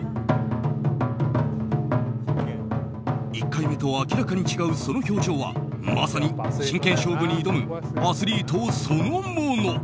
１回目と明らかに違うその表情はまさに真剣勝負に挑むアスリートそのもの。